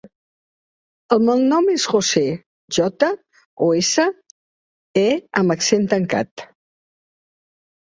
El meu nom és José: jota, o, essa, e amb accent tancat.